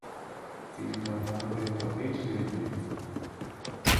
Ele caminhava pelo tapete vermelho.